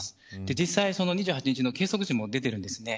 実際２８日の計測時も出てるんですね。